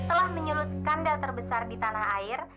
setelah menyulut skandal terbesar di tanah air